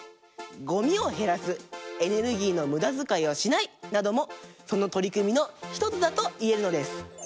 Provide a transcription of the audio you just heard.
「ごみをへらす」「エネルギーのむだづかいはしない」などもそのとりくみの１つだといえるのです。